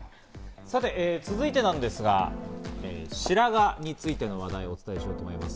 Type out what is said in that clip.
さて続いてなんですが、白髪についての話題をお伝えしようと思います。